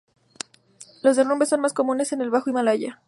Los derrumbes son muy comunes en el Bajo Himalaya.